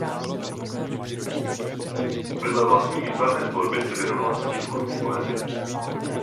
Vedle vlastní výtvarné tvorby se věnovala psaní duchovní poezie.